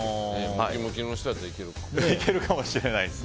ムキムキの人やったらいけるか。